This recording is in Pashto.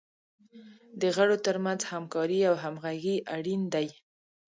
د غړو تر منځ همکاري او همغږي اړین دی.